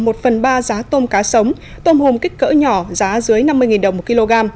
một phần ba giá tôm cá sống tôm hùm kích cỡ nhỏ giá dưới năm mươi đồng một kg